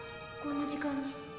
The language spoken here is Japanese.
こんな時間に。